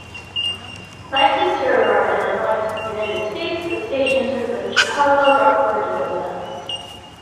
Licensed to Aurora, Illinois, United States, the station serves the Chicago, Rockford area.